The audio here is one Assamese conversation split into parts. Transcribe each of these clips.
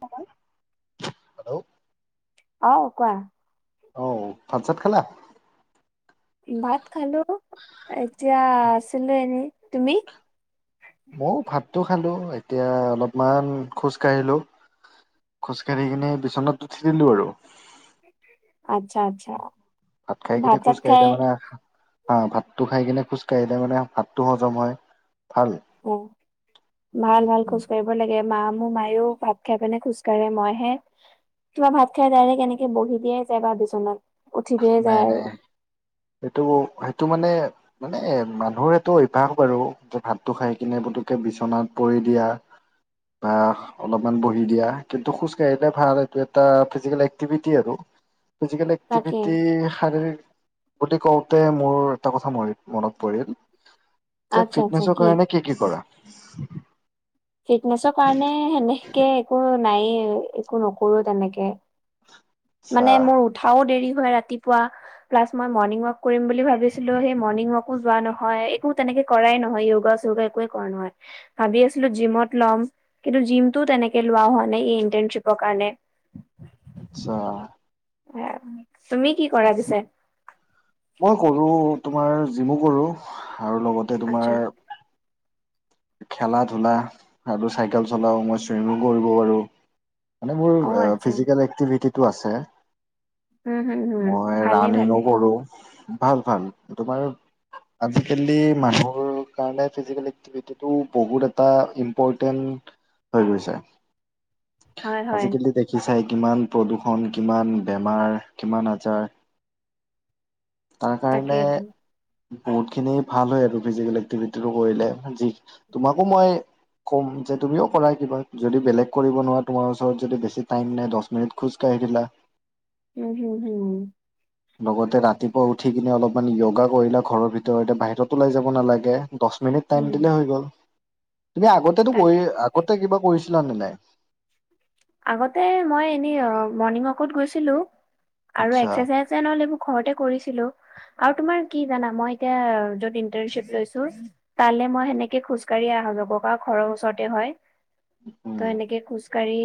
[unintelligible] হেল্ল' অ কোৱা? অ ভাত চাত খালা। ভাত খালো। এতিয়া আছিলো এনে। তুমি? মইয়ো ভাতটো খালো এতিয়া অলপমান খোজ কাঢ়িলো। খোজকাাঢ়ি কিনে বিচনাত উঠি দিলো আৰু। আচ্ছা আচ্ছা খাই কিনে ভাত খোজ চাত কাঢ়িলে খাই মানে হা, ভাতটো খাই কিনে খোজ কাঢ়িলে মানে ভাতটো হজম হয়। ভাল অ ভাল ভাল খোজ কাঢ়িব লাগে। মা মোৰ মায়ো ভাত খাই পেনে খোজ কাঢ়ে মই হে কিবা ভাত খাই ডাইৰেক্ট এনেকে বহি দিয়াই যেবা বিচনাত। উঠি দিয়ে নাই যায় আৰু নাই সেইটো সেইটো মানে মানে মানুহৰ এইটো অভ্যাস বাৰু, যে ভাতটো খাই কিনে পুটুকে বিচনাত পৰি দিয়া। বা অলপমান বহি দিয়া, কিন্তু খোজকাাঢ়িলে ভাল এইটো এটা, ফিজিকেল এক্টিভিটি আৰু। ফিজিকেল তাকে এক্টিভিটি শাৰীৰিক বুলি কওঁতে মোৰ এটা কথা ম মনত পৰিল। যে আচ্ছা আচ্ছা ফিটনেছৰ কাৰণে কি কি কৰা? ফিটনেছৰ কাৰণে সেনেকে একো নায়েই, একো নকৰো তেনেকে। আচ্ছা মানে মোৰ উঠাও দেৰি ৰাতিপুৱা প্লাছ মই মৰ্ণিং ৱাক কৰিম বুলি ভাবিছিলো, সেই মৰ্ণিং ৱাকো যোৱা নহয়। একো তেনেক কৰাই নহয়, য়োগা চোগা একোৱে কৰা নহয়। ভাবি আছো [unintelligible] জিমত ল'ম, কিন্তু জিমটোও তেনেকে লোৱা হোৱা নাই এই ইন্টাৰনশ্বিপৰ কাৰণে। আচ্ছা। [unintelligible] তুমি কি কৰা পিছে? মই কৰো তোমাৰ জিমো কৰো আৰু লগতে আচ্ছা তোমাৰ খেলা-ধূলা আৰু চাইকেল চলাও, মই চুইমো কৰিব পাৰোঁ। মানে অ মোৰ আচ্ছা ফিজিকেল এক্টিভিটিটো আছে। উম হম হম মই ভালে ৰাণিং ভালে ও কৰো। ভাল-ভাল, তোমাৰ আজি-কালি মানুহৰ কাৰণে ফিজিকেল এক্টিভিটি টো বহুত এটা ইম্পৰ্টেন্ট হৈ গৈছে। হয় হয় আজি-কালি দেখিছাই কিমান প্ৰদূষণ, কিমান বেমাৰ কিমান আজাৰ তাৰ কাৰণে তাকেইটো বহুত খিনি ভাল হয় আৰু ফিজিকেল এক্টিভিটিটো কৰিলে। তোমাকো মই কম যে তুমিও কৰা কিবা। যদি বেলেগ কৰিব নোৱাৰা তোমাৰ ওচৰত যদি বেছি টাইম নাই দছ মিনিট খোজ কঢ়ি [unintelligible] ও-হু-হু। লগতে ৰাতিপুৱা উঠি কিনে অলপমান য়োগা কৰিলা ঘৰৰ ভিতৰতে, বাহিৰত ওলাই যাব নালাগে। দছ মিনিট টাইম উম দিলে হৈ গ'ল। তুমি আগতেটো তাকে কৰি, আগতে কিবা কৰিছিলা নে নাই? আগতে মই এনে মৰ্ণিং ৱাকত গৈছিলো। আৰু আচ্ছা এক্সাৰচাইজ এন অল এইবোৰ ঘৰতে কৰিছিলো, আৰু তোমাৰ কি জানা মই এতিয়া য'ত ইৰ্ন্টানশ্বিপ লৈছো তা মানে মই সেনেকে খোজকাঢ়িয়ে অহা-যোৱা কৰো। কাৰণ ঘৰৰ ওচৰতে হয়। ত উম সেনেকে খোজ কাঢ়ি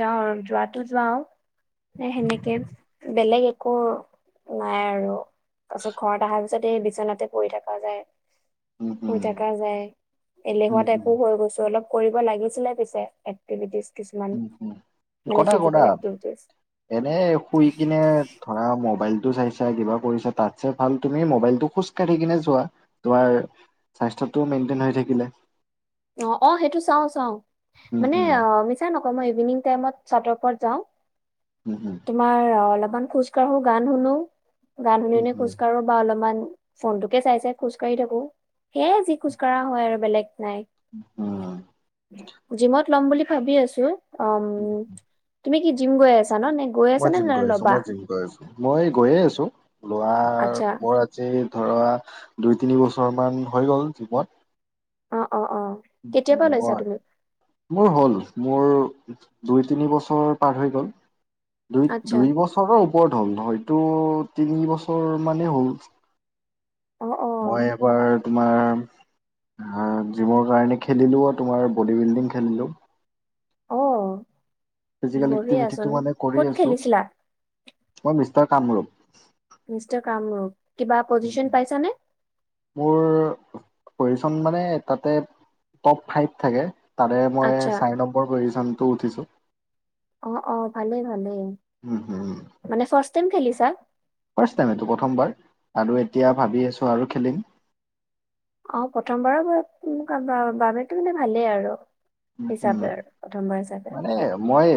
যাও আৰু যোৱাতো যাও এ সেনেকে বেলেগ একো নাই আৰু তাৰ পিছত ঘৰত অহাৰ পিছত এই বিচনাতে পৰি থকা যায়। উম শুই উম থকা যায়, উম এলেহুৱা উম টাইপো হৈ গৈছো অলপ। কৰিব লাগিছিলে পিছে এক্টিভিটিজ কিছুমান। মানে কদা কদা ফিজিকেল এক্টিভিটিজ। এনে শুই কিনে ধৰা মোবাইল টো চাই-চাই কিবা কৰিছা। তাতছে ভাল তুমি মোবাইলতটো খোজ কাঢ়ি কিনে চোৱা, তোমাৰ স্বাস্থ্য টো মেইনটেইন হৈ থাকিলে। অ' অ' সেইটো চাওঁ চাওঁ। উম মানে হম অ মিছা নকওঁ মই ইভিনিং টাইমত চাটৰ ওপৰত যাওঁ, উম হম তোমাৰ অলপমান খোজ কাঢ়ো, গান শুনো। গান শুনি উম শুনি হম খোজ কাঢ়ো বা অলপমান ফনটোকে চাই-চাই খোজ কঢ়ি থাকো। সেয়াই যি খোজ কাঢ়া হয় আৰু বেলেগ নাই। অহ জিমত লম বুলি ভাবি আছো, অম তুমি কি জিম গৈ আছা? ন নে গৈ আছা মই নে জিম ন গৈ আছো, ল'বা মই জিম গৈ আছো। মই গৈয়ে আছো লোৱাৰ আচ্ছা মোৰ আজি ধ ৱা দুই, তিনি বছৰ মান হৈ গ'ল জিমত। অ অ অ কেতিয়াৰ পৰা লৈছা মই তুমি মোৰ হ'ল। মোৰ দুই, তিনি বছৰ পাৰ হৈ গ'ল। দুই, আচ্ছা দুই বছৰৰ ওপৰত হ'ল। হয়টো তিনি বছৰ মানেই হ'ল। অ অ মই এবাৰ তোমাৰ জিমৰ কাৰনে খেলিলোঁ আৰু তোমাৰ বডি বিল্ডিং খেলিলোঁ। অ' এক্টিভিটিটো বঢ়িয়াচোন মানে কৰি ক'ত আছো খেলিছিলা? মই মিষ্টাৰ কামৰূপ। মিষ্টাৰ কামৰূপ কিবা পজিশন পাইছানে? পজিশন মানে তাতে টপ ফাইভ থাকে তাৰে মই আচ্ছা চাৰি নম্বৰ পজিশন। টো উঠিছো। অ', অ' ভালেই ভালেই উম, হুম। মানে ফাৰ্ষ্ট টাইম খেলিছা? ফাৰ্ষ্ট টাইম এইটো প্ৰথমবাৰ আৰু এতিয়া ভাবি আছোঁ আৰু খেলিম। অ' প্ৰথমবাৰৰ বা বা বাবেটো মানে ভালেই আৰু। উম, উম হিচাপে আৰু প্ৰথমবাৰ হিচাপে মানে মই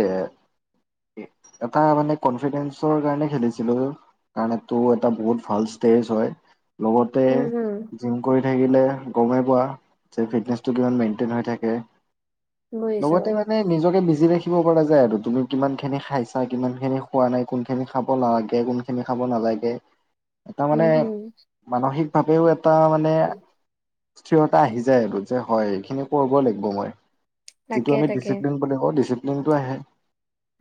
এটা মানে কনফিডেন্সৰ কাৰণে খেলিছিলো। কাৰণ এইটো এটা বহুত ভাল ষ্টেজ হয় লগতে উম হম জিম কৰি থাকিলে গমেই পোৱা যে ফিটনেসটো কিমান মেইনটেইন হৈ থাকে। বুজিছো লগতে মানে নিজকে বিজি ৰাখি [unintelligible] নাযায় আৰু তুমি কিমান খিনি খাইছা কিমান খিনি খোৱা নাই কোন খিনি খাব লাগে কোন খিনি খাব নালাগে লাগে এটা উম মানে হম মানসিকভাৱেও এটা মানে স্থিৰতা আহি যায় আৰু যে হয় এইখিনি কৰিবই লাগিব মই। যিটো তাকে আমি তাকে ডিসিপ্লিন বুলি কওঁ ডিসিপ্লিন তো আহে।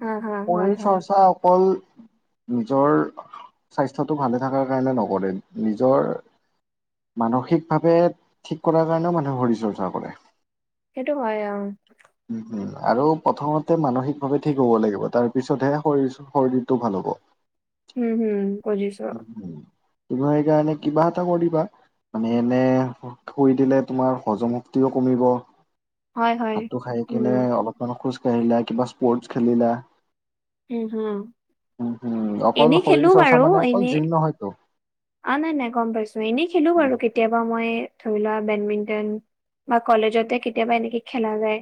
হা হা হয় শৰীৰ হয় চৰ্চা অকল নিজৰ স্বাস্থ্যটো ভালে থকাৰ কাৰণে নকৰে নিজৰ মানসিকভাৱে ঠিক কৰাৰ কাৰণেও মানুহে শৰীৰ চৰ্চা কৰে। সেইটো হয় অ'। উম, আৰু প্ৰথমতে মানসিকভাৱে ঠিক হ'ব লাগিব তাৰ পিছতহে শৰীৰ শৰীৰটো ভাল হ'ব। উম, হম বুজিছো অ। কিবা সেইকাৰনে কিবা এটা কৰিবা। মানে এনে থৈ দিলে তোমাৰ হজম শক্তিও কমিব। হয় হয় ভাতটো খাই উম কিনে অলপমান খোজ কাঢ়িলা কিবা স্পৰ্টছ খেলিলা। উম হম উম, হম অকল এনেই খেলো শৰীৰ বাৰু চৰ্চা মানে অকল এনেই জিম নহয় ত। অ নাই নাই গম পাইছো এনেই খেলো বাৰু কেতিয়াবা মই ধৰি বা ব্যাডমিন্টন বা কলেজতে কেতিয়াবা এনেকে খেলা যায়।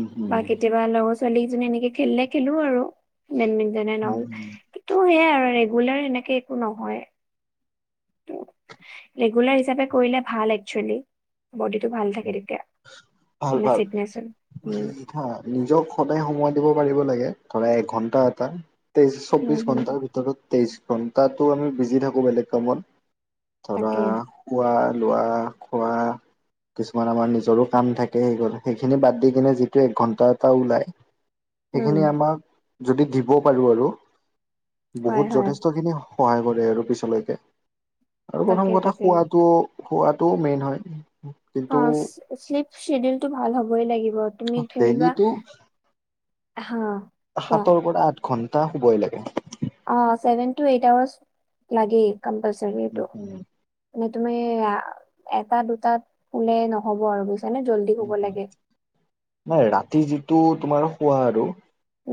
উম বা হম কেতিয়াবা লগৰ ছোৱালীকেইজনী এনেকে খেলিলে খেলো আৰু। ব্যাডমিন্টন এন উম অল হুম কিন্তু সেইয়াই আৰু ৰেগুলাৰ এনেকে একো নহয়। তো, ৰেগুলাৰ হিচাপে কৰিলে ভাল একচুয়ালি বডিটো ভাল থাকে তেতিয়া। মানে ভাল-ভাল ফিটনেচ হয়। উম [unintelligible] নিজক সদায় সময় দিব পাৰিব লাগে। ধৰা এক ঘন্টা এটা তেইশ উম চৌবিশ হম ঘণ্টাৰ ভিতৰত তেইশ ঘণ্টাটো আমি বিজি থাকোঁ বেলেগ কামত ধৰা তাকে শুৱা লোৱা, খোৱা কিছুমান আমাৰ নিজ জৰোৰ কাম থাকে [unintelligible] গল সেইখিনি বাদ দি কিনে যিটো এক ঘন্টা এটা ওলাই উম সেইখিনি আমাক যদি দিব পাৰো আৰু হয় বহুত হয় যথেষ্ট খিনি সহায় কৰে আৰু পিছলৈকে আৰু তাকে প্ৰথম কথা তাকে খোৱাটো খোৱাটো মেইন হয় অ কিন্তু শ্লিপ সিডিউল টো ভাল হ'বই লাগিব তুমি ধৰি লোৱা ডেইলিটো হা কোৱা সাতৰ পৰা আঠ ঘন্টা শুবই লাগে। অ' ছেভেন তো এইট আৱাৰ্চ লাগেই কম্পালসাৰি এইটো। তুমি এটা দুটাত হলে নহব আৰু বেছি [unintelligible] নাই ৰাতি যিটো তোমাৰ খোৱা আৰু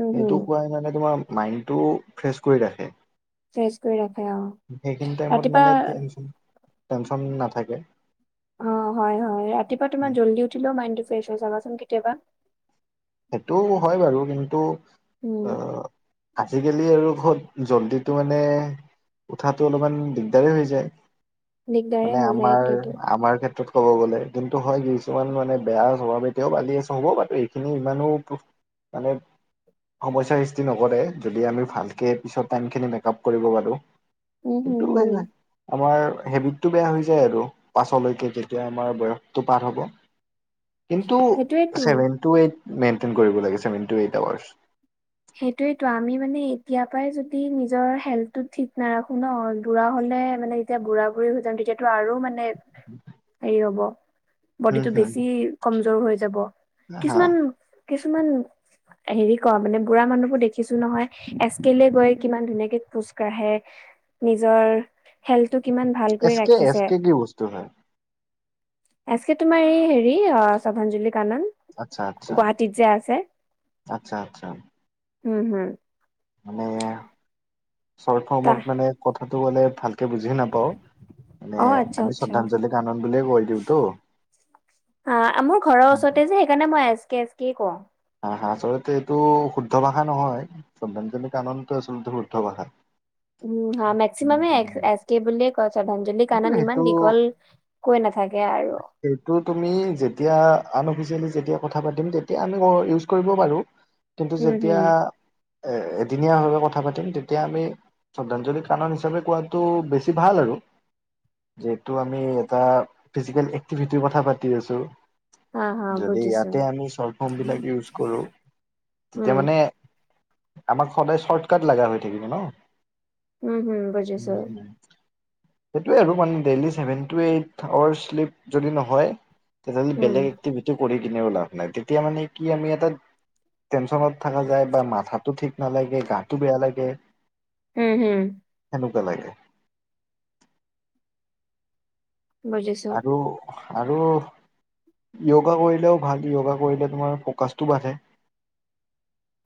উম হম খোৱাই মানে তোমাৰ মাইন্ডটো ফ্ৰেছ কৰি ৰাখে। ফ্ৰেছ কৰি ৰাখে। অ সেইখিনি টাইমত ৰাতিপুৱা মানে টেনচন-টেনচন নাথাকে। অ' হয়-হয় ৰাতিপুৱা তোমাৰ জল্দি উঠিলেও মাইডটো ফ্ৰেছ হয় চাবাচোন কেতিয়াবা। সেইটো হয় বাৰু কিন্তু উম আজিকালি আৰু। খত জল্দিটো মানে উঠাটো অলপমান দিগদাৰে হৈ যায়। দিগদাৰে মানে হৈ যায় আমাৰ এইটোৱেটো আমাৰ ক্ষেত্ৰত ক'ব গ'লে কিন্তু হয় কিছুমান মানে বেয়া স্বভাৱ এতিয়াও বালি আছে হ'ব বাতৈ এইখিনি মানুহ মানে সমস্যাৰ সৃষ্টি নকৰে যদি আমি ভালকে পিছৰ টাইমখিনি মেকআপ কৰিব পাৰোঁ। উম হম কিন্তু হম সেইবে আমাৰ হেৰি টো বেয়া হৈ যায় আৰু পাছলৈকে তেতিয়া আমাৰ বয়সটো পাৰ হ'ব। কিন্তু সেইটোয়েতো ছেভেন টু এইট মেইনটেইন কৰিব লাগে ছেভেন টু এইট আৱাৰ্চ। সেইটোযৱেতো আমি মানে এতিয়াৰ পৰাই যদি নিজৰ হেল্থটো ঠিক নাৰাখো ন বুঢ়া হ'লে, মানে মানে যেতিয়া বুঢ়া বুঢ়ি হৈ যাম মানে তেতিয়াটো আৰু মানে হেৰি হব, হম বডিটো হম বেছি কমজৌৰ হৈ যাব। হা কিছুমান কিছুমান হেৰি ক মানে বুঢ়া মানুহবোৰ দেখিছো নহয় এচ কেলে গৈ কিমান ধুনীয়াকে খোজ কাঢ়ে। নিজৰ হেল্থটো কিমান ভালকৈ এছ কে এছ ৰাখিছে। কে কি বস্তু হয় এচকে তোমাৰ এই হেৰি অ শ্ৰধাঞ্জলি আত্চ্ছা আত্চ্ছা আত্চ্ছা আত্চ্ছা উম হম। মানে চট তা ফৰ্মত মানে কথাটো গ'লে ভাল। কে বুজি নাপাওঁ মানে অ আচ্ছা আমি আচ্ছা শ্ৰদ্ধাঞ্জলি কানন বুলিয়ে কৈ দিওঁ ত। অ মোৰ ঘৰৰ ওচৰতে যে সেইকাৰণে মই এজ কে এফ কে কওঁ। হা আচলতে এইটো শুদ্ধ ভাষা নহয় শ্রদ্ধাঞ্জলি কাননটো আচলতে শুদ্ধ ভাষাত। উম হা মেক্সিমামে এছ কে বুলিয়ে কয় শ্ৰদ্ধাঞ্জলি কিন্তু কানন ইমান সেইটো দীঘল। কৈ নাথাক- সেইটো তুমি যেতিয়া আন অফিচিয়েলি যেতিয়া কথা পাতিম তেতিয়া আমি ইউজ কৰিব পাৰোঁ। কিন্তু উম যেতিয়া, হম এ এদিনীয়া হয় ভয় কথা পাতিম তেতিয়া আমি শ্ৰদ্ধাঞ্জলি কানন হিচাপে কোৱাটো বেছি ভাল আৰু। যিহেতু আমি এটা ফিজিকেল এক্টিভিটিৰ কথা পাতি আছো। হা হা যদি বুজিছো ইয়াতে আমি চৰ্ত ফ্ৰৰ্মবিলাক ইউজ কৰোঁ। উম তেতিয়া মানে আমাক সদায় চৰ্টকাট লগা হৈ থাকিব ন। উম হম বুজিছোঁ। সেইটোৱে আৰু মানে daily seven to eight hour sleep যদি নহয়, তেতিয়া হ'লে উম বেলেগ এক্টিভিটি কৰি কিনেও লাভ নাই তেতিয়া মানে কি আমি এটা টেনচনত থকা যায় বা মাথাটো ঠিক নালাগে, গাটো বেয়া লাগে। উম হম। নুকা লাগে। বুজিছোঁ। আৰু আৰু য়োগা কৰিলেও ভাল, য়োগা কৰিলে তোমাৰ ফ'কাছটো বাঢ়ে।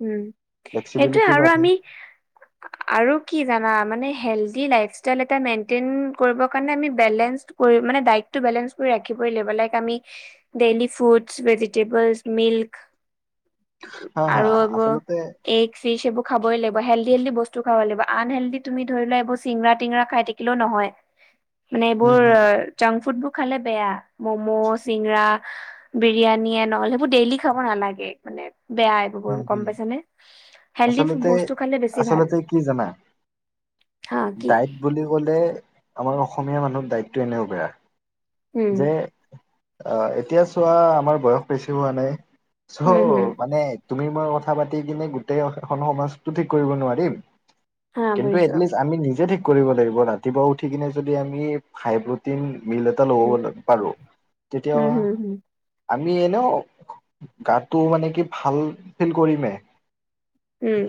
উম সেইটোয়ে ফ্লেক্সিবিলিটি আৰু বাঢ়ে আমি আৰু কি জানা মানে হেল- লাইফষ্টাইল এটা মেইনটেইন কৰিব কাৰণে আমি বেলেঞ্চ কৰি মানে ডাইটটো বেলেঞ্চ কৰি ৰাখিবই লাগিব। এবিলাইক আমি ডেইলি ফুডছ, ভেজিটেবলছ, মিল্ক। [inaudible] হা আৰু এইবো আচলতে এগ, ফিচ এইবোৰ খাবই লাগিব হেল্ডি হেল্ডি বস্তু খাব লাগিব। আনহেল্ডি তুমি ধৰি লোৱা এইবোৰ চিংৰা টিংৰা খাই থাকিলেও নহয়। মানে উম এইবোৰ হম জাংক ফুড, খালে বেয়া ম'ম, ' চিংৰা, বিৰিয়ানি নহলে সেইবোৰ ডেইলি খাব নালাগে। নেট বেয়া আই বোবোৰণ হম গম হম পাইছা নে হেল্ডি ফুড আচলতে বস্তু খালে বেছি ভাল। হা কি দাইট বুলি ক'লে, আমাৰ অসমীয়া মানুহৰ দাইটটো এনেও বেয়া। হম। অ এতিয়া চোৱা আমাৰ বয়স বেছি হোৱা নাই উম, হুম। চ' মানে তুমি মই কথা পাতি কিনে গোটেই এখন সমাজতটো ঠিক কৰিব নোৱাৰিম। কিন্তু এটলিষ্ট আমি নিজে ঠিক কৰিব লাগিব ৰাতিপুৱা উঠি কিনে যদি, আমি হাইপটিন মিল এটা ল লব পাৰো তেতিয়া আমি এনো গাটো মানে কি ভাল ফিল কৰিমে। হম।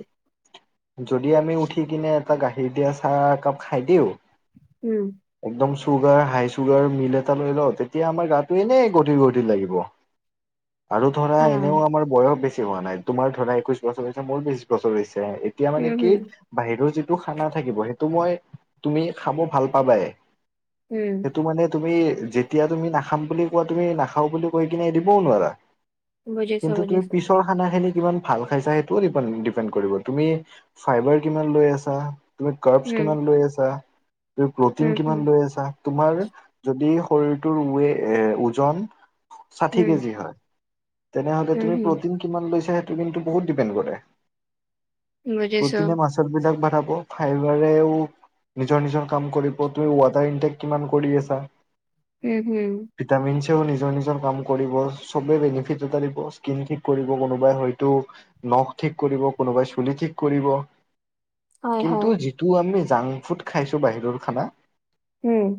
যদি আমি উঠি কিনে এটা গাখীৰ দিয়া চাহ একাপ খাই দিওঁ। উম। একদম চুগাৰ হাই চুগাৰ মিল এটা লৈ ল, তেতিয়া আমাৰ গাটো এনেই গধিৰ গধিৰ লাগিব। আৰু ধৰা এনেও আমাৰ বয়স বেছি হোৱা নাই, তোমাৰ ধৰা একৈশ বছৰ হৈছে মোৰ বিশ বছৰ হৈছে। এতিয়া মানে কি বাহিৰৰ যি- টো খানা থাকিব সেইটো মই তুমি খাব ভাল পাবাই। সেইটো মানে তুমি যেতিয়া তুমি নাখ- খাম বুলি কোৱা তুমি নাখাও বুলি কৈ কিনে দিবও নোৱাৰা। বুজিছোঁ কিন্তু তুমি বুজিছোঁ। পিছৰ খানা খিনি কিমান ভাল খাইছা সেইটোও ডিপে ডিপেন্ড কৰিব তুমি ফাইবাৰ কিমান লৈ আছা। তুমি কাৰ্বছ কিমান লৈ আছা, তুমি প্ৰটিন কিমান লৈ আছা। তোমাৰ যদি শৰীৰটোৰ ৱে ওজন ষাঠি কেজি হয়, তেনেহলে তুমি প্ৰ- কিমান লৈছা সেইটো কিন্তু বহুত ডিপেন্ড কৰে প্ৰটিনে মাছৰ বিলাক ভাৰাব ত ফাইবাৰেও নিজৰ নিজৰ কাম কৰিব, তুমি ৱাটাৰ ইনটেক কিমান কৰি আছা। উম হুম। ভিটামিনছেও নিজৰ নিজৰ কাম কৰিব চবে বেনিফিত দিব, স্ত্ৰিণ ঠিক কৰিব কোনোবাই হয়তো নখ ঠিক কৰিব কোনোবাই চুলি ঠিক কৰিব। কিন্তু যিটো আমি জাংক ফুড খাইছো বাহিৰৰ খানা। উম।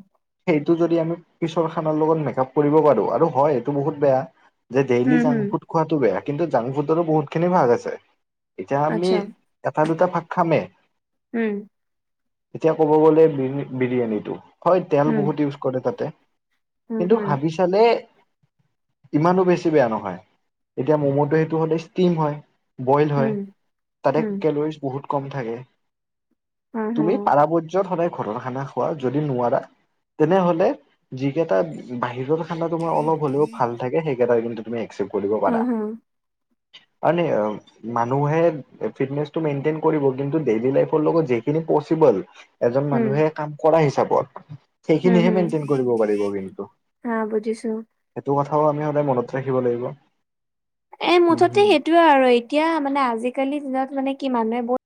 সেইটো যদি আমি পিছৰ খানাৰ লগত মেকআপ কৰিব পাৰো আৰু হয় এইটো বহুত বেয়া। যে ডেইলি জাংক ফুড খোৱাটো বেয়া কিন্তু জাংক ফুডৰো বহুতখিনি ভাগ আছে। এতিয়া আমি এটা দুটা ভাগ খামে। এতিয়া কব গ'লে বিৰি বিৰিয়ানীটো হয় তেল বহুত ইউজ কৰে তাতে। কিন্তু ভাবি চালে ইমানো বেছি বেয়া নহয়। এতিয়া মম'টো সেইটো মানে ষ্টিম হয়, বইল হয় তাতে কেলৰিজ বহুত। কম থাকে, তুমি পাৰাপৰ্যত সদায় ঘৰৰ খানা খোৱা যদি নোৱাৰা তেনেহলে যিকেইটা বাহিৰৰ খানা তোমাৰ ত অলপ হলেও ভাল থাকে সেইকেইটা কিন্তু একচেপ্ট কৰিব পাৰা। [inaudible] মানে মানুহে ফিকনেচটো মেনটেইন কৰিব। কিন্তু ডেইলি লাইফ লগত যিখিনি পজ বল এজন মানুহে কাম কৰা হিচাপত। সেইখিনিহে হম মেইনটেইন কৰিব পাৰিব কিন্তু হা বুজিছো সেইটো কথা। কথাও আমি সদায় মনত ৰাখিব লাগিব। এ উম, মুঠতে হম। সেইটোয়ে আৰু এতিয়া মানে আজিকালি দিনত মানে কি মানুহে বহুত